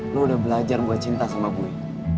lo udah belajar buat cinta sama gue